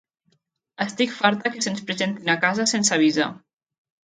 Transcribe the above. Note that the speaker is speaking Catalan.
Estic farta que se'ns presentin a casa sense avisar.